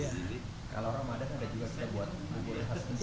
kalau ramadhan ada juga setiap hari